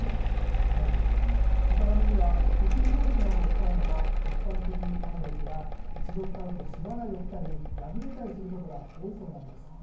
はい、型紙にはコピー用紙などを使うのが一般的なのですが、一度使うとしわが寄ったり、破れたりすることが多いそうなんです。